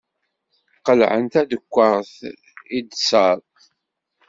Qelɛen tadekkart i ddser.